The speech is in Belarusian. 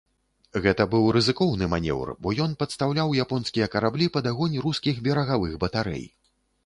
Гэта быў рызыкоўны манеўр, бо ён падстаўляў японскія караблі пад агонь рускіх берагавых батарэй.